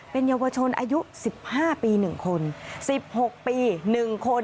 เป็นเยาวชนอายุ๑๕ปี๑คน๑๖ปี๑คน